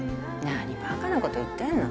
何バカなこと言ってんの？